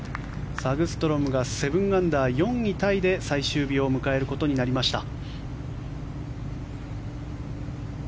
サグストロムが７アンダー、４位タイで最終日を迎えることになりました。